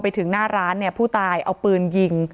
ไปถึงหน้าร้านเนี่ยผู้ตายเอาปืนยิง